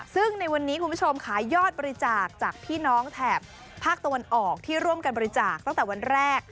ซึ่งในวันนี้คุณผู้ชมค่ะยอดบริจาคจากพี่น้องแถบภาคตะวันออกที่ร่วมกันบริจาคตั้งแต่วันแรก